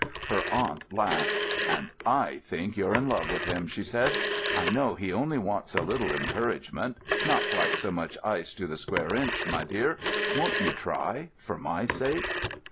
Her aunt laughed. "And I think you're in love with him," she said. "I know he only wants a little encouragement—not quite so much ice to the square inch, my dear! Won't you try, for my sake?"